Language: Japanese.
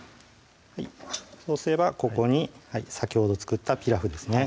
そうすればここに先ほど作ったピラフですね